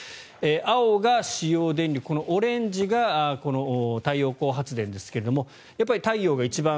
青が使用電力オレンジが太陽光発電ですがやっぱり太陽が一番